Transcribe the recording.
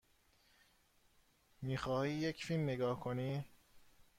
می خواهی یک فیلم نگاه کنی؟